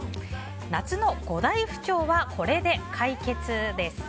夏の５大不調はこれで解決！です。